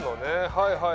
はいはい。